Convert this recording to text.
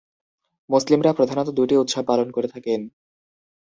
মুসলিমরা প্রধানত দুইটি উৎসব পালন করে থাকেন।